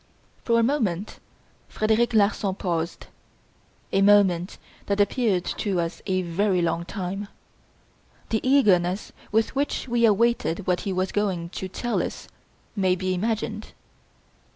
For a moment Frederic Larsan paused, a moment that appeared to us a very long time. The eagerness with which we awaited what he was going to tell us may be imagined.